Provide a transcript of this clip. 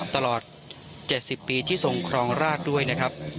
ตลอด๗๐ปีที่ทรงครองราชด้วยนะครับ